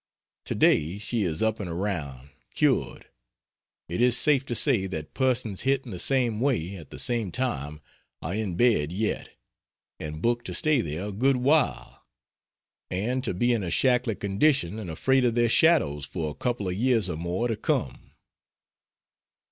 To day she is up and around cured. It is safe to say that persons hit in the same way at the same time are in bed yet, and booked to stay there a good while, and to be in a shackly condition and afraid of their shadows for a couple of years or more to come.